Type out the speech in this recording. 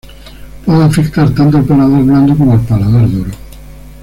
Puede afectar tanto al paladar blando como al paladar duro.